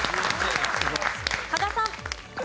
加賀さん。